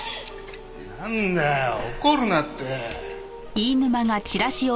なんだよ怒るなって。